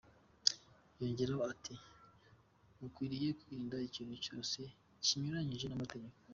Yongeraho ati “Mukwiriye kwirinda ikintu cyose kinyuranyije n’amategeko.